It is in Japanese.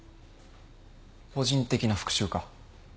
個人的な復讐か？